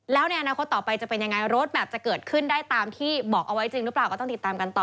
แล้วในอนาคตต่อไปจะเป็นยังไงรถแมพจะเกิดขึ้นได้ตามที่บอกเอาไว้จริงหรือเปล่าก็ต้องติดตามกันต่อ